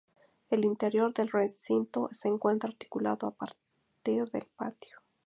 El interior del recinto se encuentra articulado a partir del patio.